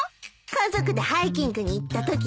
家族でハイキングに行ったときね。